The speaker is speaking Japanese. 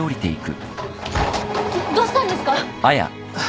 どうしたんですか？